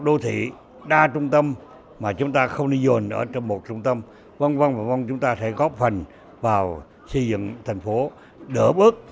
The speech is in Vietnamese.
nói rõ lại là chúng ta cũng có cốt nền trong quá trình lập quy hoạch chung thành phố